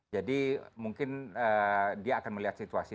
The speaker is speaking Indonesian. jadi mungkin dia akan melihat situasi